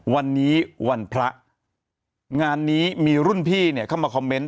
วันนี้วันพระงานนี้มีรุ่นพี่เนี่ยเข้ามาคอมเมนต